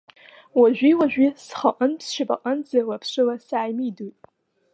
Уажәи-уажәи схаҟынтә сшьапаҟынӡа лаԥшыла сааимидоит.